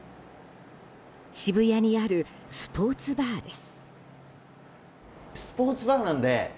渋谷にあるスポーツバーです。